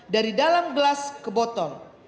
dari dalam gelas ke botol